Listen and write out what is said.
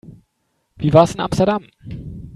Wie war's in Amsterdam?